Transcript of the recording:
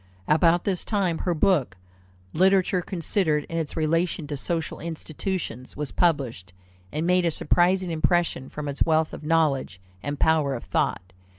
About this time her book, Literature considered in its Relation to Social Institutions, was published, and made a surprising impression from its wealth of knowledge and power of thought.